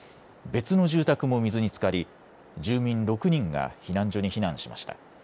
別の住宅も水につかり住民６人が避難所に避難しました。